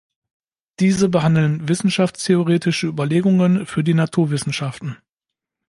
Diese behandeln wissenschaftstheoretische Überlegungen für die Naturwissenschaften.